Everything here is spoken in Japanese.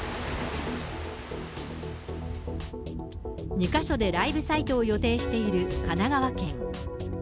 ２か所でライブサイトを予定している神奈川県。